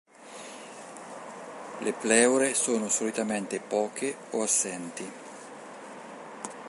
Le pleure sono solitamente poche o assenti.